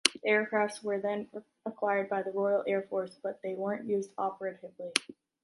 The aircrafts were then acquired by the Royal Air Force but they weren’t used operatively.